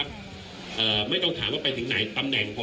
คุณผู้ชมไปฟังผู้ว่ารัฐกาลจังหวัดเชียงรายแถลงตอนนี้ค่ะ